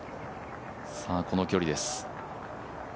さあ、この距離です。